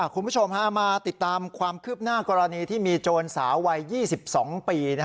คุณผู้ชมมาติดตามความคืบหน้ากรณีที่มีโจรสาววัย๒๒ปี